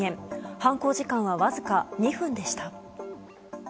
犯行時間はわずか２分でした。